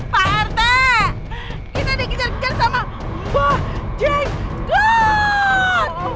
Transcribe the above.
pak arte kita dikejar kejar sama buah jenggot